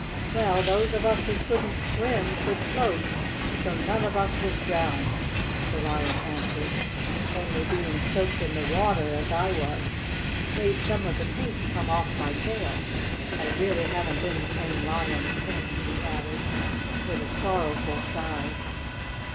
"Well, those of us who couldn't swim could float, so none of us was drowned," the Lion answered. "Only being soaked in the water, as I was, made some of the paint come off my tail. I really haven't been the same Lion since," he added, with a sorrowful sigh.